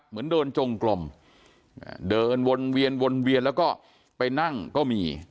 เหมือนเดินจงกลมเดินวนเวียนวนเวียนแล้วก็ไปนั่งก็มี